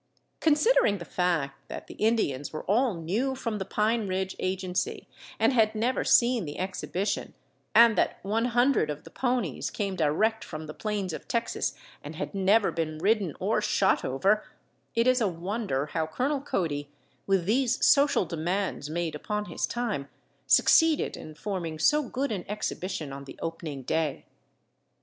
Considering the fact that the Indians were all new from the Pine Ridge Agency and had never seen the exhibition, and that 100 of the ponies came direct from the plains of Texas and had never been ridden or shot over, it is a wonder how Colonel Cody, with these social demands made upon his time, succeeded in forming so good an exhibition on the opening day.